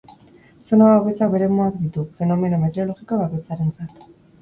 Zona bakoitzak bere mugak ditu, fenomeno meteorologiko bakoitzarentzat.